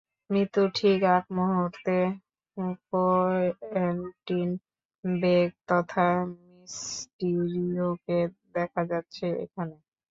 মৃত্যুর ঠিক আগমুহূর্তে Quentin bake তথা মিস্টিরিওকে দেখা যাচ্ছে এখানে।